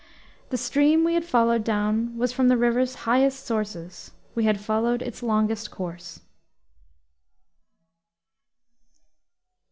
The stream we had followed down was from the river's highest sources; we had followed its longest course.